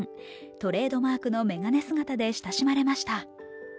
トレードマークの眼鏡姿で親しまれました。